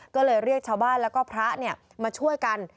ก็เลยเรียกชาวบ้านแล้วก็พระมาช่วยกัน